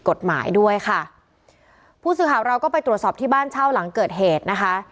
กฎหมายด้วยค่ะผู้สื่อข่าวเราก็ไปตรวจสอบที่บ้านเช่าหลังเกิดเหตุนะคะ